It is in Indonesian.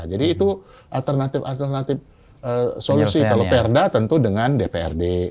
jadi itu alternatif alternatif solusi kalau perda tentu dengan dprd